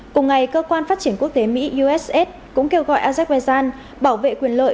cùng ngày cơ quan phát triển quốc tế mỹ uss cũng kêu gọi azerbaijan bảo vệ quyền lợi